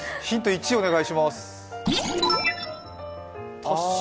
１お願いします。